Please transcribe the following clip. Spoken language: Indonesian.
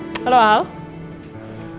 ni tanya k discharge